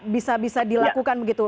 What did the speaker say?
bisa bisa dilakukan begitu